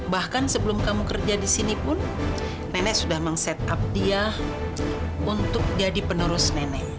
bahkan sebelum kamu kerja di sini pun nenek sudah meng set up dia untuk jadi penerus nenek